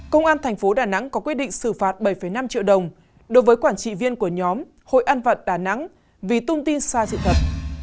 công an tp đà nẵng có quyết định xử phạt bảy năm triệu đồng đối với quản trị viên của nhóm hội an vận đà nẵng vì tung tin sai sự thật